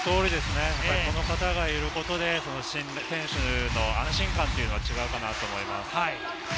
この方がいることで選手の安心感は違うかなと思います。